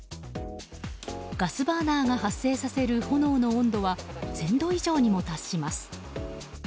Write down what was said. ガスバーナーが発生させる炎の温度は１０００度以上にも達します。